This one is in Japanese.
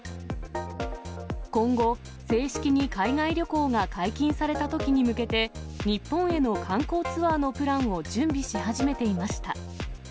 今後、正式に海外旅行が解禁されたときに向けて、日本への観光ツアーのプランを準備し始めていました。